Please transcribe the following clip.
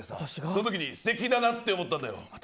その時に素敵だなって思ったんだよ。